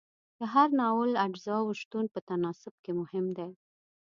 د هر ناول اجزاو شتون په تناسب کې مهم دی.